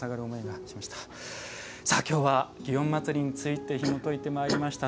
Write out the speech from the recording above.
きょうは祇園祭についてひもといてまいりました。